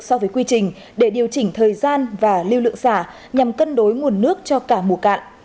so với quy trình để điều chỉnh thời gian và lưu lượng xả nhằm cân đối nguồn nước cho cả mùa cạn